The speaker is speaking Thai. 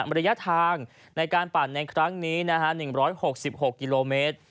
ระยะทางในการปั่นในครั้งนี้๑๖๖กิโลเมตร